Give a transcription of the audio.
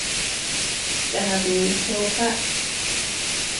Yaduu sopa.